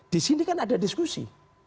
di sini kan ada diskusi